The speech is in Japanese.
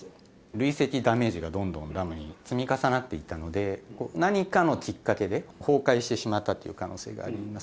累積ダメージがどんどんダムに積み重なっていたので、何かのきっかけで崩壊してしまったっていう可能性があります。